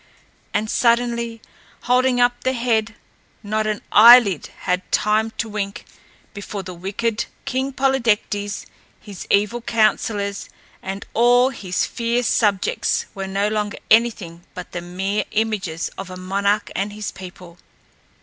And suddenly holding up the head, not an eyelid had time to wink before the wicked King Polydectes, his evil counselors and all his fierce subjects were no longer anything but the mere images of a monarch and his people.